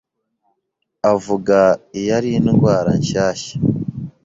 avuga iyi ari indwara nshyashya